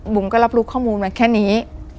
ก็รับรู้ข้อมูลมาแค่นี้